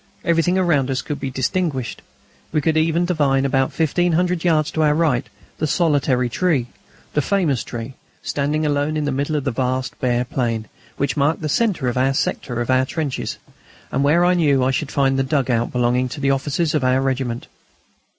Everything around us could be distinguished; we could even divine about fifteen hundred yards to our right the "solitary tree," the famous tree, standing alone in the middle of the vast bare plain, which marked the centre of our sector of trenches, and where I knew I should find the "dug out" belonging to the officers of our regiment.